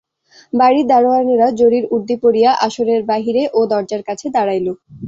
বাড়ির দারোয়ানেরা জরির উর্দি পরিয়া আসরের বাহিরে ও দরজার কাছে দাঁড়াইল।